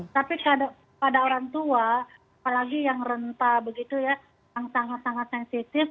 tapi pada orang tua apalagi yang rentah begitu ya yang sangat sangat sensitif